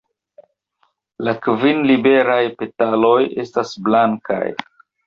La kvin liberaj petaloj estas blankaj.